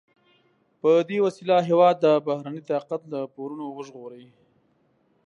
په دې وسیله هېواد د بهرني طاقت له پورونو وژغوري.